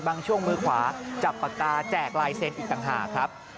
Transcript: ช่วงมือขวาจับปากกาแจกลายเซ็นต์อีกต่างหากครับ